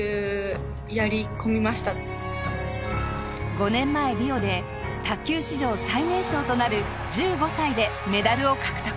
５年前リオで卓球史上最年少となる１５歳でメダルを獲得。